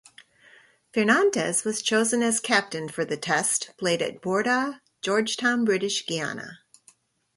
Fernandes was chosen as captain for the Test played at Bourda, Georgetown, British Guiana.